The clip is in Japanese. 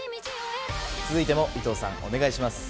続いても伊藤さんお願いしま